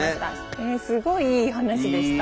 えすごいいい話でした。